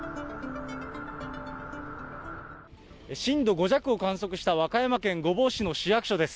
震度５弱を観測した和歌山県御坊市の市役所です。